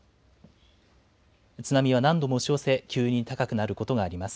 津波は何度も押し寄せ、急に高くなることがあります。